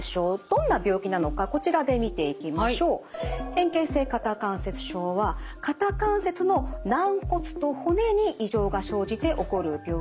変形性肩関節症は肩関節の軟骨と骨に異常が生じて起こる病気です。